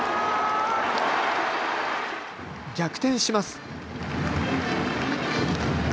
逆転します。